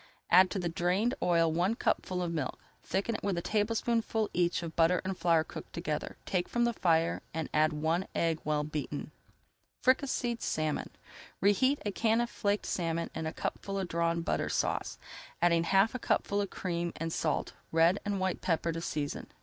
Add to the drained oil one cupful of milk. Thicken it with a tablespoonful each of butter and flour cooked together, take from the fire, and add one egg well beaten. [Page 299] FRICASSEED SALMON Reheat a can of flaked salmon in a cupful of Drawn Butter Sauce, adding half a cupful of cream, and salt, red and white pepper to season.